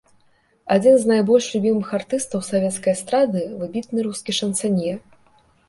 Адзін з найбольш любімых артыстаў савецкай эстрады, выбітны рускі шансанье.